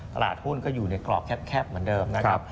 ตลาดหุ้นก็อยู่ในกรอบแคบเหมือนเดิมนะครับ